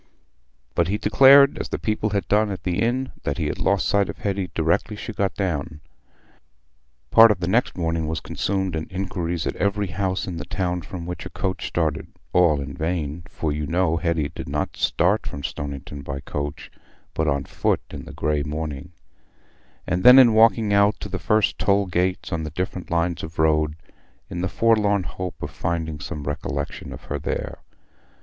But he declared, as the people had done at the inn, that he had lost sight of Hetty directly she got down. Part of the next morning was consumed in inquiries at every house in the town from which a coach started—(all in vain, for you know Hetty did not start from Stoniton by coach, but on foot in the grey morning)—and then in walking out to the first toll gates on the different lines of road, in the forlorn hope of finding some recollection of her there.